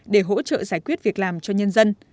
để hỗ trợ giải quyết việc làm cho nhân dân